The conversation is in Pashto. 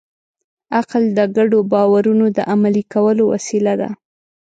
عقل د ګډو باورونو د عملي کولو وسیله ده.